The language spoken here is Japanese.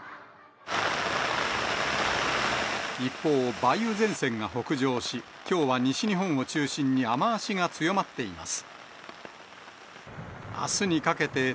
一方、梅雨前線が北上し、きょうは西日本を中心に雨足が強まっています。